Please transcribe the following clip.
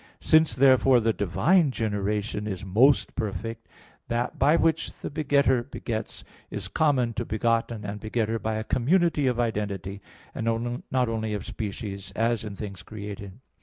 Since, therefore, the divine generation is most perfect, that by which the Begetter begets, is common to Begotten and Begetter by a community of identity, and not only of species, as in things created.